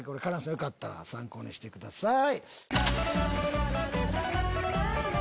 よかったら参考にしてください。